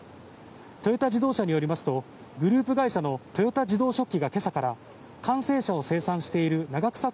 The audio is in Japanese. トヨタ自動車によりますとグループ会社の豊田自動織機が今朝から完成車を生産している長草